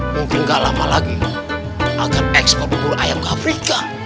mungkin gak lama lagi akan ekspor bubur ayam ke afrika